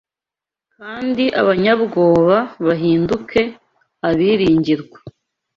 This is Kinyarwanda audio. kandi abanyabwoba bahinduke abiringirwa